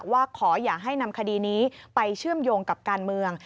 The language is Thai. ว่าขออย่าให้นำคดีนี้ไปเชื่อมโยงกับการเมือง